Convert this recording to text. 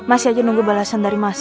aku yakin kau tahu